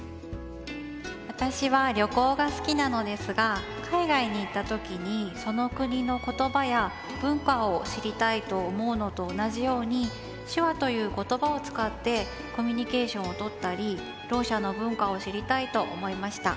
私は旅行が好きなのですが海外に行った時にその国の言葉や文化を知りたいと思うのと同じように手話という言葉を使ってコミュニケーションをとったりろう者の文化を知りたいと思いました。